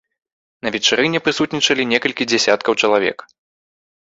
На вечарыне прысутнічалі некалькі дзесяткаў чалавек.